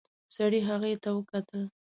سړي هغې ته وکتل.